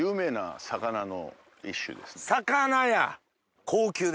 魚や！